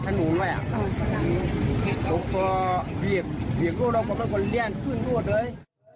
ขึ้นรวดเลย